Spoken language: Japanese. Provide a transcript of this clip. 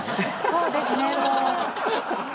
そうですねもう。